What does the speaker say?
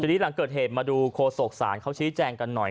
ทีนี้หลังเกิดเหตุมาดูโฆษกศาลเขาชี้แจงกันหน่อย